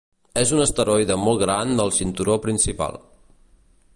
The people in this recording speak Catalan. És un asteroide molt gran del cinturó principal.